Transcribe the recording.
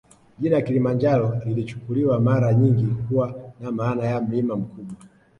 Jina Kilima Njaro lilichukuliwa mara nyingi kuwa na maana ya mlima mkubwa